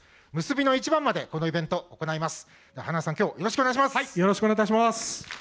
結びの一番までこのイベントを行います。